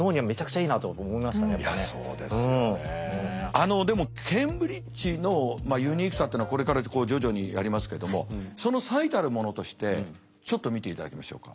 あのでもケンブリッジのユニークさっていうのはこれから徐々にやりますけどもその最たるものとしてちょっと見ていただきましょうか？